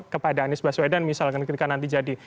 kepada anies baswedan misalkan ketika nanti jadi